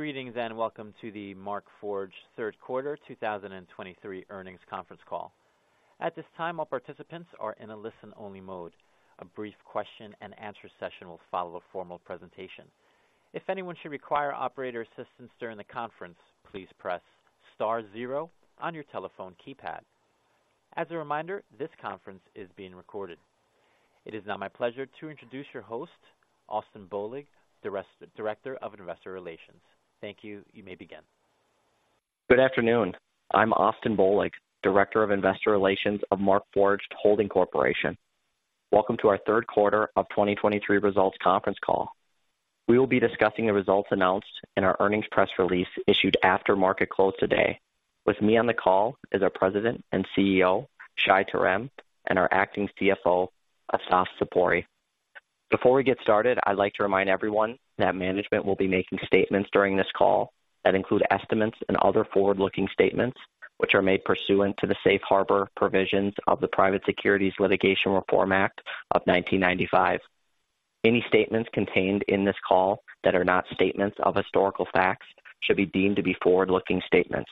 Greetings, and welcome to the Markforged third quarter 2023 earnings conference call. At this time, all participants are in a listen-only mode. A brief question-and-answer session will follow a formal presentation. If anyone should require operator assistance during the conference, please press star zero on your telephone keypad. As a reminder, this conference is being recorded. It is now my pleasure to introduce your host, Austin Bohlig, Director of Investor Relations. Thank you. You may begin. Good afternoon. I'm Austin Bohlig, Director of Investor Relations of Markforged Holding Corporation. Welcome to our third quarter of 2023 results conference call. We will be discussing the results announced in our earnings press release issued after market close today. With me on the call is our President and CEO, Shai Terem, and our acting CFO, Assaf Zipori. Before we get started, I'd like to remind everyone that management will be making statements during this call that include estimates and other forward-looking statements, which are made pursuant to the safe harbor provisions of the Private Securities Litigation Reform Act of 1995. Any statements contained in this call that are not statements of historical facts should be deemed to be forward-looking statements.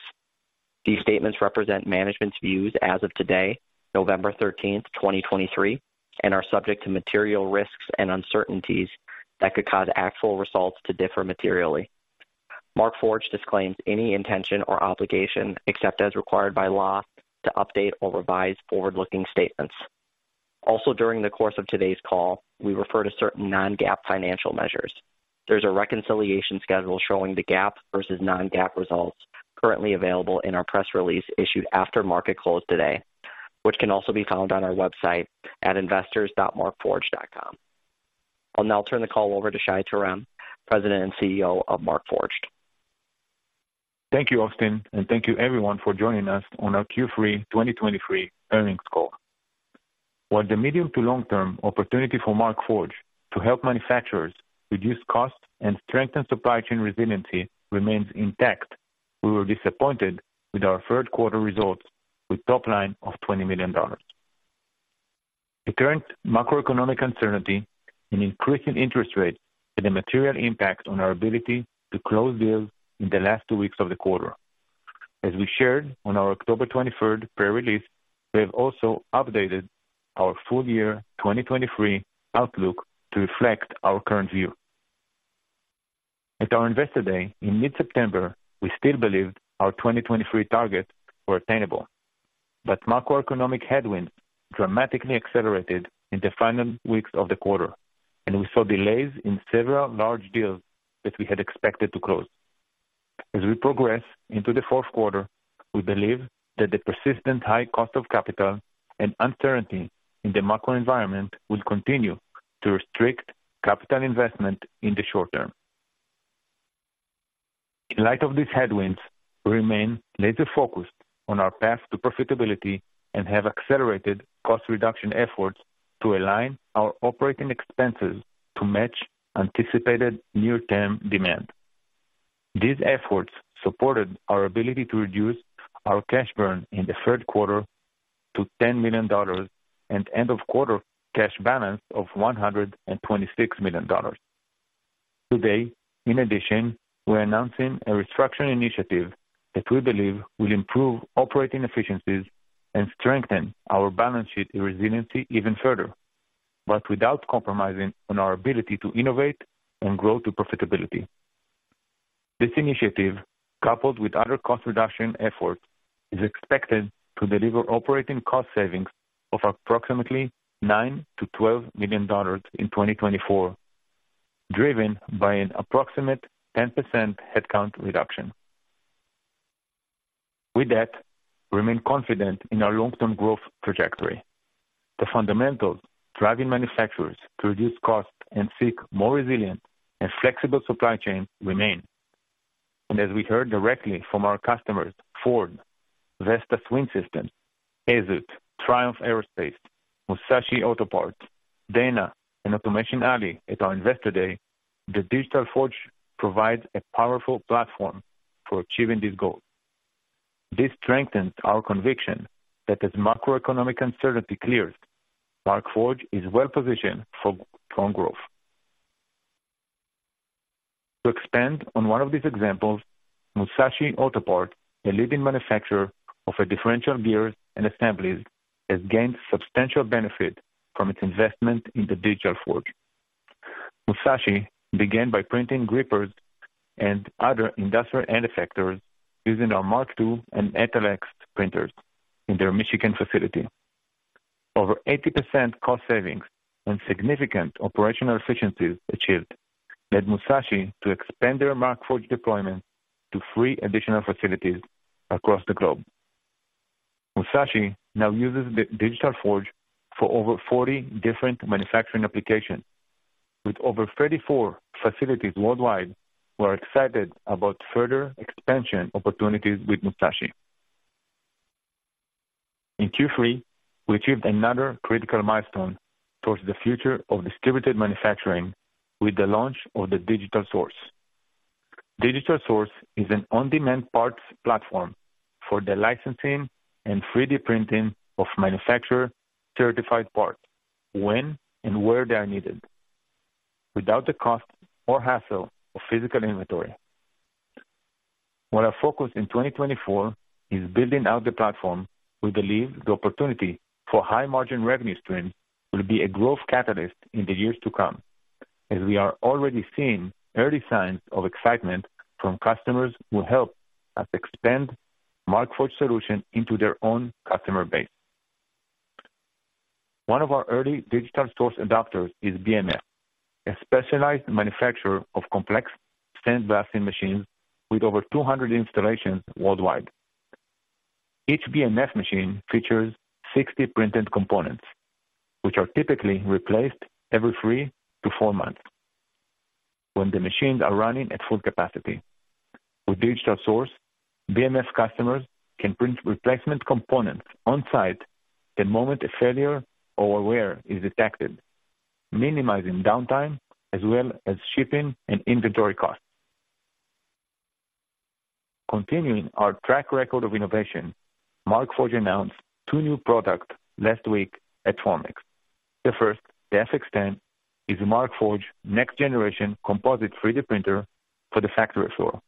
These statements represent management's views as of today, November 13, 2023, and are subject to material risks and uncertainties that could cause actual results to differ materially. Markforged disclaims any intention or obligation, except as required by law, to update or revise forward-looking statements. Also, during the course of today's call, we refer to certain non-GAAP financial measures. There's a reconciliation schedule showing the GAAP versus non-GAAP results currently available in our press release issued after market close today, which can also be found on our website at investors.markforged.com. I'll now turn the call over to Shai Terem, President and CEO of Markforged. Thank you, Austin, and thank you everyone for joining us on our Q3 2023 earnings call. While the medium to long-term opportunity for Markforged to help manufacturers reduce costs and strengthen supply chain resiliency remains intact, we were disappointed with our third quarter results with top line of $20 million. The current macroeconomic uncertainty and increasing interest rates had a material impact on our ability to close deals in the last two weeks of the quarter. As we shared on our October 23 press release, we have also updated our full year 2023 outlook to reflect our current view. At our Investor Day in mid-September, we still believed our 2023 targets were attainable, but macroeconomic headwinds dramatically accelerated in the final weeks of the quarter, and we saw delays in several large deals that we had expected to close. As we progress into the fourth quarter, we believe that the persistent high cost of capital and uncertainty in the macro environment will continue to restrict capital investment in the short term. In light of these headwinds, we remain laser-focused on our path to profitability and have accelerated cost reduction efforts to align our operating expenses to match anticipated near-term demand. These efforts supported our ability to reduce our cash burn in the third quarter to $10 million and end-of-quarter cash balance of $126 million. Today, in addition, we're announcing a restructuring initiative that we believe will improve operating efficiencies and strengthen our balance sheet resiliency even further, but without compromising on our ability to innovate and grow to profitability. This initiative, coupled with other cost reduction efforts, is expected to deliver operating cost savings of approximately $9 million-$12 million in 2024, driven by an approximate 10% headcount reduction. With that, we remain confident in our long-term growth trajectory. The fundamentals driving manufacturers to reduce costs and seek more resilient and flexible supply chains remain. As we heard directly from our customers, Ford, Vestas Wind System, Azoth, Triumph Aerospace, Musashi Auto Parts, Dana and Automation Alley at our Investor Day, the Digital Forge provides a powerful platform for achieving these goals. This strengthens our conviction that as macroeconomic uncertainty clears, Markforged is well positioned for strong growth. To expand on one of these examples, Musashi, a leading manufacturer of differential gears and assemblies, has gained substantial benefit from its investment in the Digital Forge. Musashi began by printing grippers and other industrial end effectors using our Mark Two and Metal X printers in their Michigan facility. Over 80% cost savings and significant operational efficiencies achieved led Musashi to expand their Markforged deployment to three additional facilities across the globe. Musashi now uses the Digital Forge for over 40 different manufacturing applications. With over 34 facilities worldwide, we are excited about further expansion opportunities with Musashi. In Q3, we achieved another critical milestone towards the future of distributed manufacturing with the launch of the Digital Source. Digital Source is an on-demand parts platform for the licensing and 3D printing of manufacturer-certified parts, when and where they are needed, without the cost or hassle of physical inventory. While our focus in 2024 is building out the platform, we believe the opportunity for high-margin revenue stream will be a growth catalyst in the years to come, as we are already seeing early signs of excitement from customers who help us expand Markforged solution into their own customer base. One of our early Digital Source adopters is BMF, a specialized manufacturer of complex sandblasting machines with over 200 installations worldwide. Each BMF machine features 60 printed components, which are typically replaced every three to four months when the machines are running at full capacity. With Digital Source, BMF customers can print replacement components on-site the moment a failure or wear is detected, minimizing downtime as well as shipping and inventory costs. Continuing our track record of innovation, Markforged announced two new products last week at Formnext. The first, the FX10, is Markforged next generation composite 3D printer for the factory floor.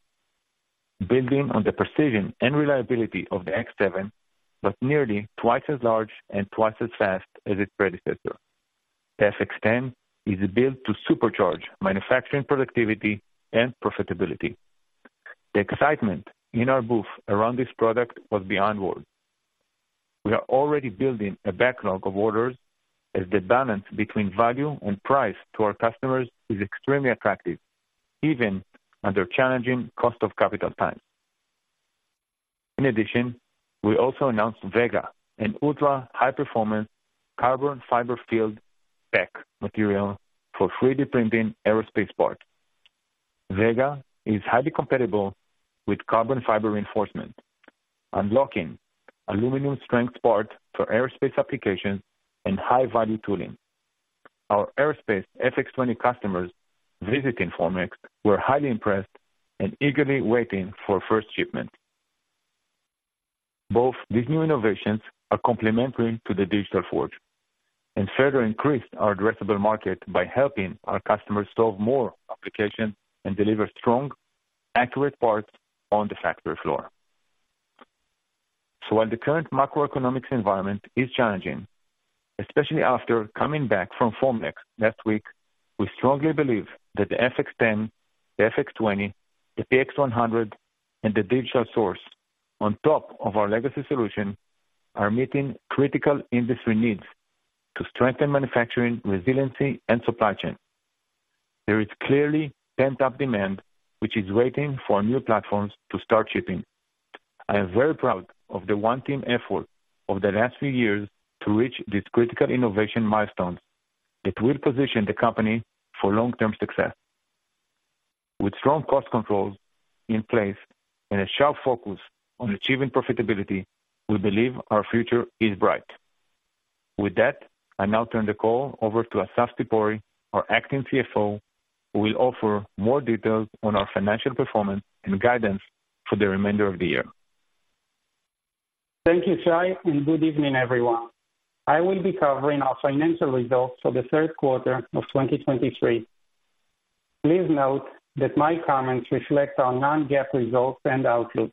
Building on the precision and reliability of the X7, but nearly twice as large and twice as fast as its predecessor. The FX10 is built to supercharge manufacturing, productivity, and profitability. The excitement in our booth around this product was beyond words. We are already building a backlog of orders, as the balance between value and price to our customers is extremely attractive, even under challenging cost of capital times. In addition, we also announced Vega, an ultra-high performance carbon fiber-filled PEKK material for 3D printing aerospace parts. Vega is highly compatible with carbon fiber reinforcement, unlocking aluminum strength parts for aerospace applications and high-value tooling. Our aerospace FX20 customers visiting Formnext were highly impressed and eagerly waiting for first shipment. Both these new innovations are complementary to the Digital Forge and further increase our addressable market by helping our customers solve more applications and deliver strong, accurate parts on the factory floor. So while the current macroeconomic environment is challenging, especially after coming back from Formnext last week, we strongly believe that the FX10, the FX20, the PX100, and the Digital Source, on top of our legacy solution, are meeting critical industry needs to strengthen manufacturing, resiliency, and supply chain. There is clearly pent-up demand, which is waiting for new platforms to start shipping. I am very proud of the one team effort over the last few years to reach this critical innovation milestone that will position the company for long-term success. With strong cost controls in place and a sharp focus on achieving profitability, we believe our future is bright. With that, I now turn the call over to Assaf Zipori, our Acting CFO, who will offer more details on our financial performance and guidance for the remainder of the year. Thank you, Shai, and good evening, everyone. I will be covering our financial results for the third quarter of 2023. Please note that my comments reflect our non-GAAP results and outlook.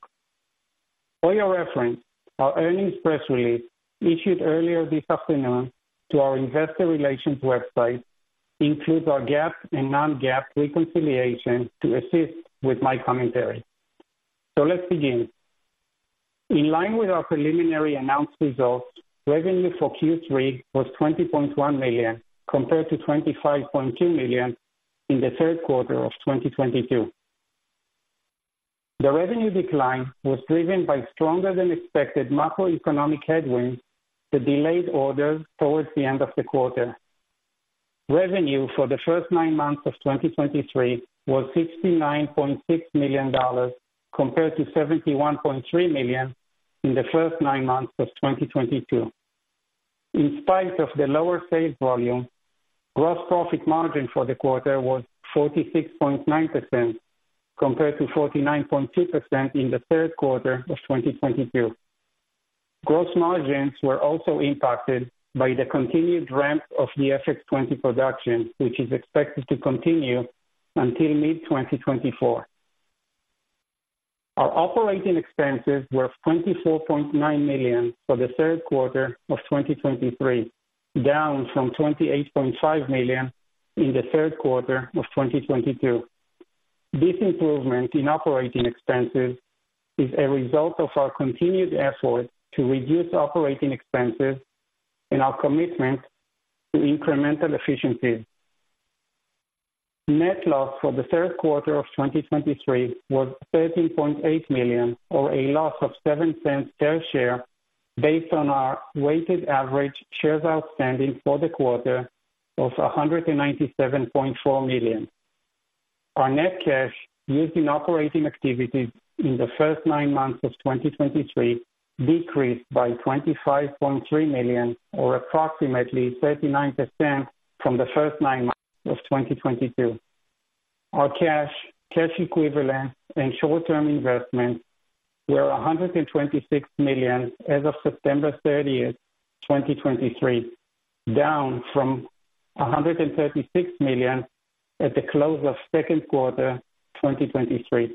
For your reference, our earnings press release, issued earlier this afternoon to our investor relations website, includes our GAAP and non-GAAP reconciliation to assist with my commentary. So let's begin. In line with our preliminary announced results, revenue for Q3 was $20.1 million, compared to $25.2 million in the third quarter of 2022. The revenue decline was driven by stronger-than-expected macroeconomic headwinds that delayed orders towards the end of the quarter. Revenue for the first nine months of 2023 was $69.6 million, compared to $71.3 million in the first nine months of 2022. In spite of the lower sales volume, gross profit margin for the quarter was 46.9%, compared to 49.2% in the third quarter of 2022. Gross margins were also impacted by the continued ramp of the FX20 production, which is expected to continue until mid-2024. Our operating expenses were $24.9 million for the third quarter of 2023, down from $28.5 million in the third quarter of 2022. This improvement in operating expenses is a result of our continued effort to reduce operating expenses and our commitment to incremental efficiencies. Net loss for the third quarter of 2023 was $13.8 million, or a loss of $0.07 per share, based on our weighted average shares outstanding for the quarter of 197.4 million. Our net cash used in operating activities in the first nine months of 2023 decreased by $25.3 million, or approximately 39% from the first nine months of 2022. Our cash, cash equivalent, and short-term investments were $126 million as of September 30, 2023, down from $136 million at the close of second quarter 2023.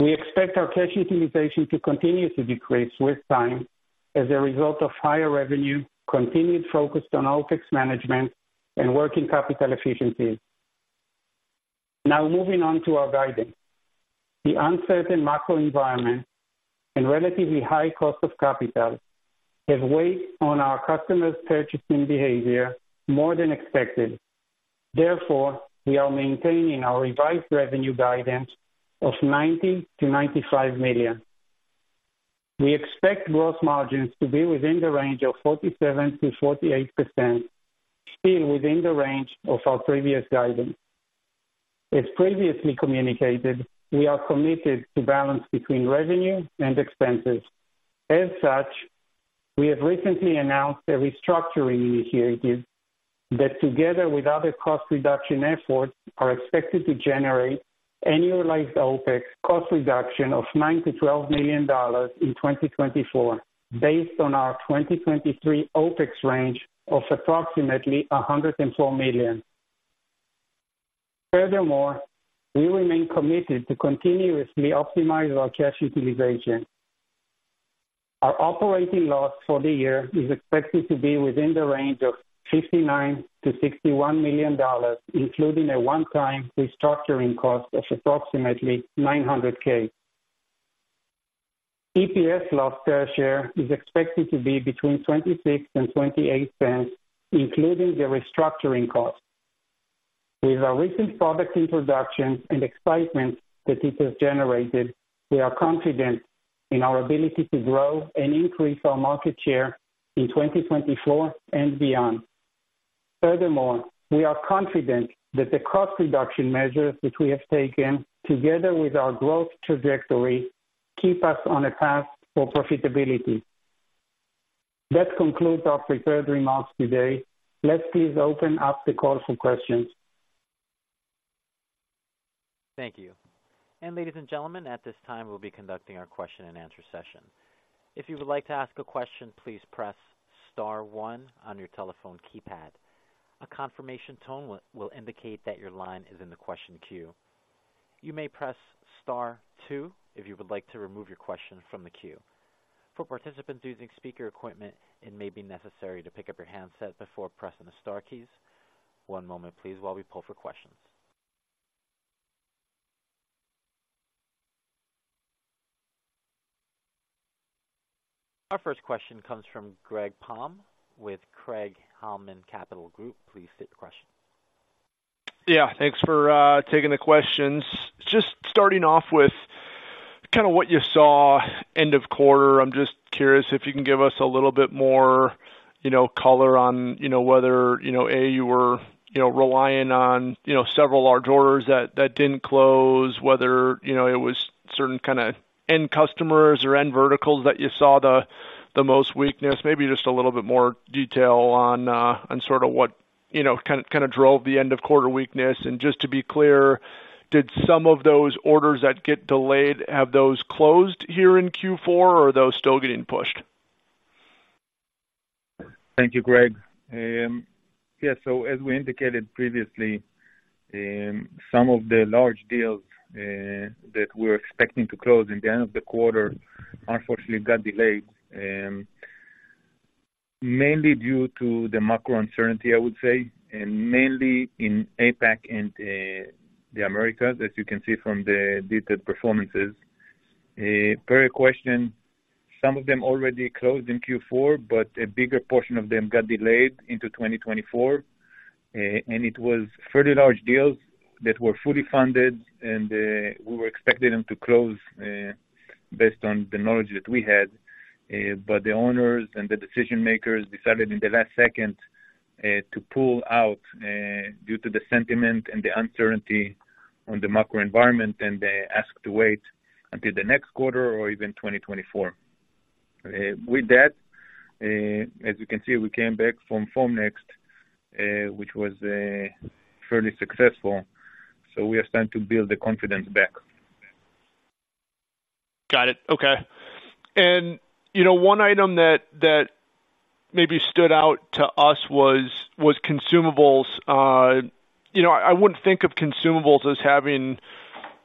We expect our cash utilization to continue to decrease with time as a result of higher revenue, continued focus on OpEx management, and working capital efficiency. Now, moving on to our guidance. The uncertain macro environment and relatively high cost of capital have weighed on our customers' purchasing behavior more than expected. Therefore, we are maintaining our revised revenue guidance of $90 million-$95 million. We expect gross margins to be within the range of 47%-48%, still within the range of our previous guidance. As previously communicated, we are committed to balance between revenue and expenses. As such, we have recently announced a restructuring initiative that, together with other cost reduction efforts, are expected to generate annualized OpEx cost reduction of $9 million-$12 million in 2024, based on our 2023 OpEx range of approximately $104 million. Furthermore, we remain committed to continuously optimize our cash utilization. Our operating loss for the year is expected to be within the range of $59 million-$61 million, including a one-time restructuring cost of approximately $900,000. EPS loss per share is expected to be between $0.26-$0.28, including the restructuring cost. With our recent product introductions and excitement that this has generated, we are confident in our ability to grow and increase our market share in 2024 and beyond. Furthermore, we are confident that the cost reduction measures, which we have taken together with our growth trajectory, keep us on a path for profitability. That concludes our prepared remarks today. Let's please open up the call for questions. Thank you. Ladies and gentlemen, at this time, we'll be conducting our question and answer session. If you would like to ask a question, please press star one on your telephone keypad. A confirmation tone will indicate that your line is in the question queue. You may press star two if you would like to remove your question from the queue. For participants using speaker equipment, it may be necessary to pick up your handset before pressing the star keys. One moment, please, while we pull for questions. Our first question comes from Greg Palm with Craig-Hallum Capital Group. Please state your question. Yeah, thanks for taking the questions. Just starting off with kind of what you saw end of quarter, I'm just curious if you can give us a little bit more, you know, color on, you know, whether, you know, A, you were, you know, relying on, you know, several large orders that, that didn't close. Whether, you know, it was certain kind of end customers or end verticals that you saw the, the most weakness. Maybe just a little bit more detail on, on sort of what, you know, kind of, kind of drove the end of quarter weakness. And just to be clear, did some of those orders that get delayed, have those closed here in Q4, or are those still getting pushed? Thank you, Greg. Yeah, so as we indicated previously, some of the large deals that we're expecting to close in the end of the quarter unfortunately got delayed, mainly due to the macro uncertainty, I would say, and mainly in APAC and the Americas, as you can see from the detailed performances. Per your question, some of them already closed in Q4, but a bigger portion of them got delayed into 2024. And it was fairly large deals that were fully funded, and we were expecting them to close based on the knowledge that we had, but the owners and the decision makers decided in the last second to pull out due to the sentiment and the uncertainty on the macro environment, and they asked to wait until the next quarter or even 2024. With that, as you can see, we came back from Formnext, which was fairly successful. So we are starting to build the confidence back. Got it. Okay. And, you know, one item that maybe stood out to us was consumables. You know, I wouldn't think of consumables as having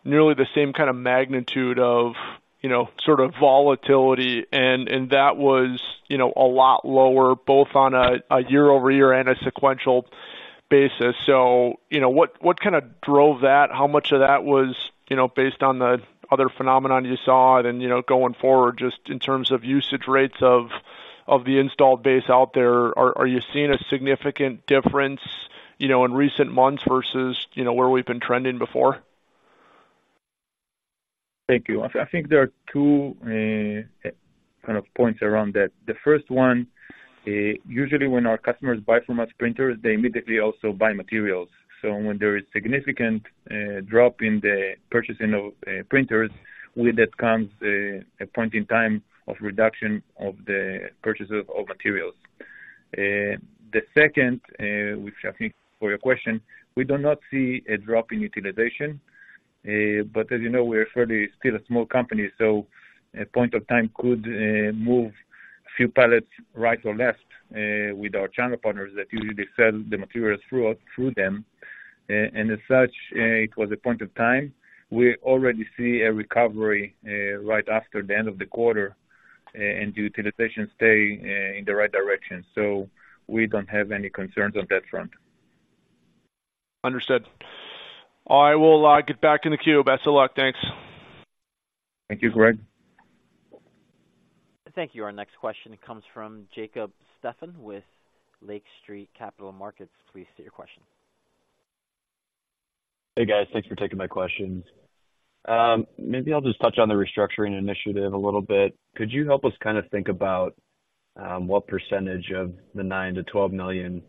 nearly the same kind of magnitude of, you know, sort of volatility, and that was, you know, a lot lower, both on a year-over-year and a sequential basis. So, you know, what kind of drove that? How much of that was, you know, based on the other phenomenon you saw? Then, you know, going forward, just in terms of usage rates of the installed base out there, are you seeing a significant difference, you know, in recent months versus, you know, where we've been trending before? Thank you. I think there are two kind of points around that. The first one, usually when our customers buy from us printers, they immediately also buy materials. So when there is significant drop in the purchasing of printers, with that comes a point in time of reduction of the purchases of materials. The second, which I think for your question, we do not see a drop in utilization. But as you know, we're fairly still a small company, so a point of time could move a few pallets right or left with our channel partners that usually they sell the materials through out, through them. And as such, it was a point of time. We already see a recovery right after the end of the quarter, and the utilization stay in the right direction. So we don't have any concerns on that front. Understood. I will get back in the queue. Best of luck. Thanks. Thank you, Greg. Thank you. Our next question comes from Jacob Stephan with Lake Street Capital Markets. Please state your question. Hey, guys. Thanks for taking my questions. Maybe I'll just touch on the restructuring initiative a little bit. Could you help us kind of think about what percentage of the $9 million-$12 million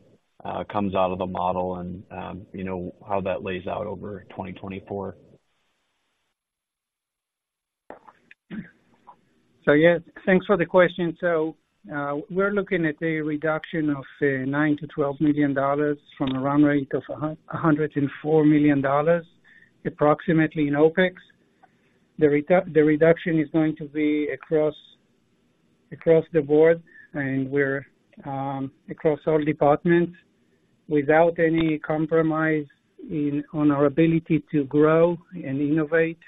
comes out of the model and, you know, how that lays out over 2024? So, yeah, thanks for the question. We're looking at a reduction of $9 million-$12 million from a run rate of $104 million, approximately in OpEx. The reduction is going to be across, across the board, and we're across all departments, without any compromise in on our ability to grow and innovate.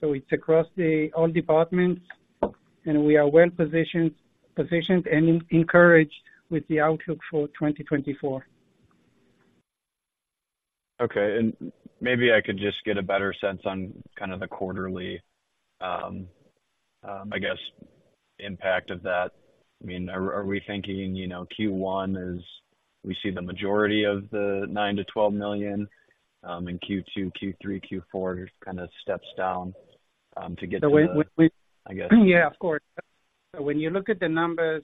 So it's across the all departments, and we are well positioned and encouraged with the outlook for 2024. Okay. And maybe I could just get a better sense on kind of the quarterly, I guess, impact of that. I mean, are we thinking, you know, Q1 is, we see the majority of the $9 million-$12 million in Q2, Q3, Q4, kind of steps down, to get to the- So we I guess. Yeah, of course. So when you look at the numbers,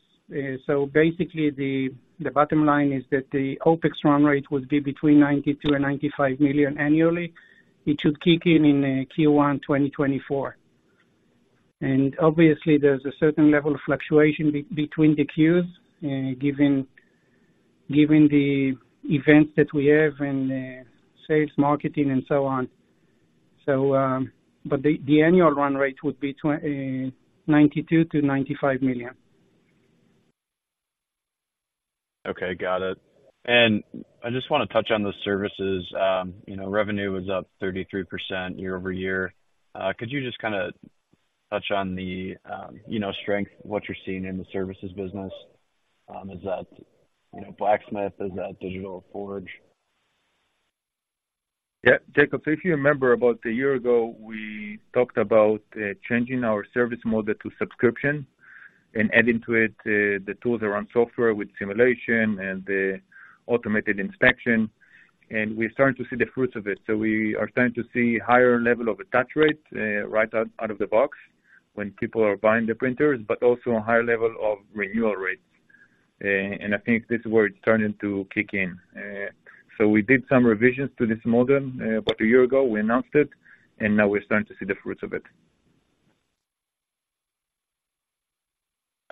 so basically, the bottom line is that the OpEx run rate would be between $92 million and $95 million annually. It should kick in in Q1 2024. And obviously, there's a certain level of fluctuation between the Q's, given the events that we have in sales, marketing, and so on. So, but the annual run rate would be $92-$95 million. Okay, got it. And I just want to touch on the services. You know, revenue was up 33% year-over-year. Could you just kind of touch on the, you know, strength, what you're seeing in the services business? Is that, you know, Blacksmith? Is that Digital Forge? Yeah, Jacob, so if you remember, about a year ago, we talked about changing our service model to subscription and adding to it the tools around software with simulation and the automated inspection, and we're starting to see the fruits of it. So we are starting to see higher level of attach rate right out of the box when people are buying the printers, but also a higher level of renewal rates. And I think this is where it's starting to kick in. So we did some revisions to this model. About a year ago, we announced it, and now we're starting to see the fruits of it.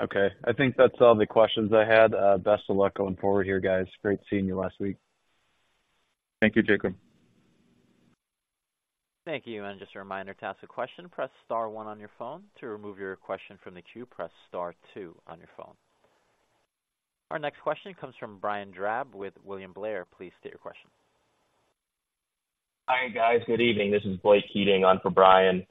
Okay. I think that's all the questions I had. Best of luck going forward here, guys. Great seeing you last week. Thank you, Jacob. Thank you, and just a reminder, to ask a question, press star one on your phone. To remove your question from the queue, press star two on your phone. Our next question comes from Brian Drab with William Blair. Please state your question. Hi, guys. Good evening. This is Blake Keating on for Brian.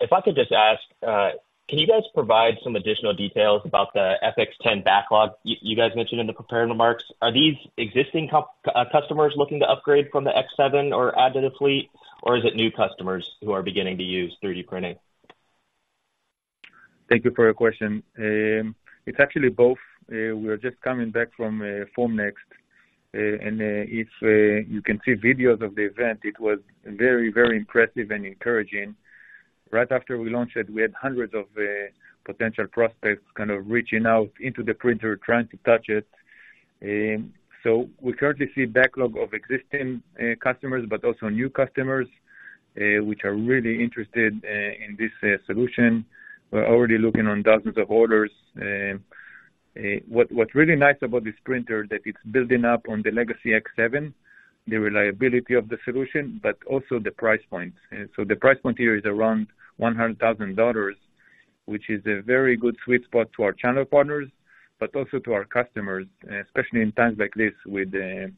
If I could just ask, can you guys provide some additional details about the FX10 backlog you guys mentioned in the prepared remarks? Are these existing customers looking to upgrade from the X-7 or add to the fleet, or is it new customers who are beginning to use 3D printing? Thank you for your question. It's actually both. We are just coming back from Formnext, and if you can see videos of the event, it was very, very impressive and encouraging. Right after we launched it, we had hundreds of potential prospects kind of reaching out into the printer, trying to touch it. So we currently see backlog of existing customers, but also new customers, which are really interested in this solution. We're already looking on dozens of orders. What's really nice about this printer, that it's building up on the legacy X7, the reliability of the solution, but also the price point. So the price point here is around $100,000, which is a very good sweet spot to our channel partners, but also to our customers, especially in times like this, with, you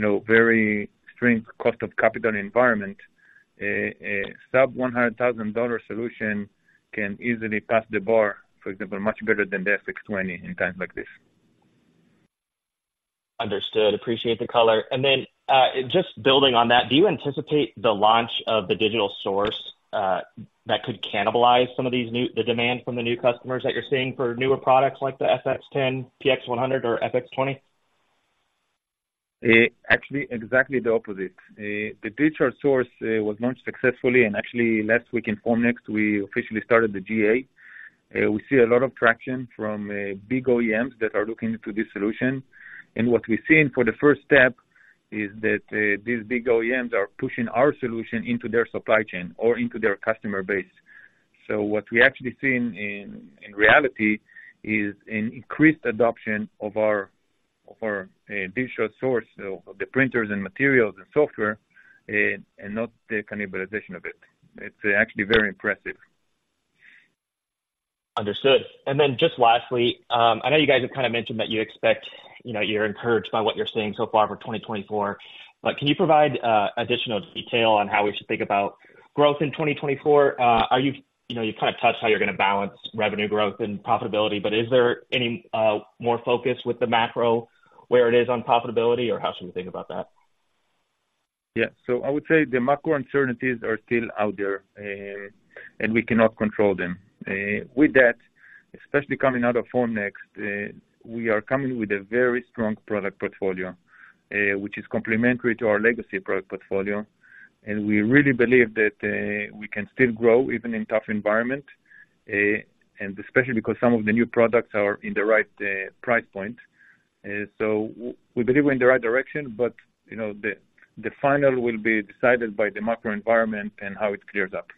know, very strict cost of capital environment. A sub-$100,000 solution can easily pass the bar, for example, much better than the FX20 in times like this. Understood. Appreciate the color. And then, just building on that, do you anticipate the launch of the Digital Source that could cannibalize some of these new—the demand from the new customers that you're seeing for newer products like the FX10, PX100, or FX20? Actually, exactly the opposite. The Digital Source was launched successfully, and actually last week in Formnext, we officially started the GA. We see a lot of traction from big OEMs that are looking into this solution. And what we're seeing for the first step is that these big OEMs are pushing our solution into their supply chain or into their customer base. So what we actually seen in reality is an increased adoption of our Digital Source, so of the printers and materials and software, and not the cannibalization of it. It's actually very impressive. Understood. And then just lastly, I know you guys have kind of mentioned that you expect, you know, you're encouraged by what you're seeing so far for 2024, but can you provide additional detail on how we should think about growth in 2024? Are you-- You know, you've kind of touched how you're going to balance revenue growth and profitability, but is there any more focus with the macro, where it is on profitability, or how should we think about that? Yeah. So I would say the macro uncertainties are still out there, and we cannot control them. With that, especially coming out of Formnext, we are coming with a very strong product portfolio, which is complementary to our legacy product portfolio, and we really believe that, we can still grow, even in tough environment, and especially because some of the new products are in the right price point. So we believe we're in the right direction, but, you know, the final will be decided by the macro environment and how it clears up.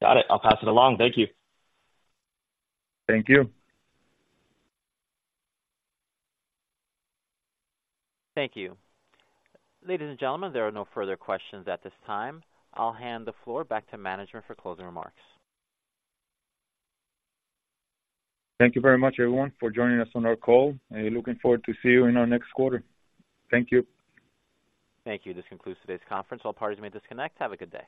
Got it. I'll pass it along. Thank you. Thank you. Thank you. Ladies and gentlemen, there are no further questions at this time. I'll hand the floor back to management for closing remarks. Thank you very much, everyone, for joining us on our call, and looking forward to see you in our next quarter. Thank you. Thank you. This concludes today's conference. All parties may disconnect. Have a good day.